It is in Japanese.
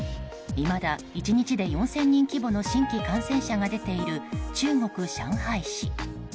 いまだ１日で４０００人規模の新規感染者が出ている中国・上海市。